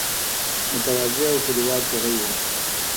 متواضع او کلیوال سړی وو.